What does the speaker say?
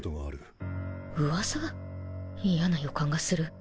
嫌な予感がする